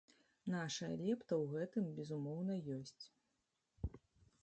Нашая лепта ў гэтым, безумоўна, ёсць.